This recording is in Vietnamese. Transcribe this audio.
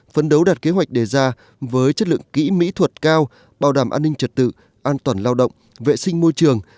phấn đấu đạt kế hoạch đề ra với chất lượng kỹ mỹ thuật cao bảo đảm an ninh trật tự an toàn lao động vệ sinh môi trường